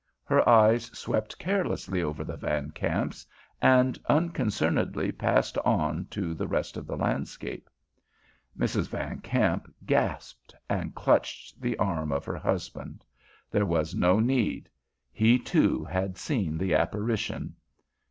Her eyes swept carelessly over the Van Kamps, and unconcernedly passed on to the rest of the landscape. Mrs. Van Kamp gasped and clutched the arm of her husband. There was no need. He, too, had seen the apparition.